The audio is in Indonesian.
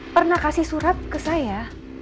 pernah kasih surat ke saya